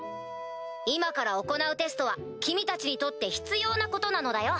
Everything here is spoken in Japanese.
今から行うテストは君たちにとって必要なことなのだよ。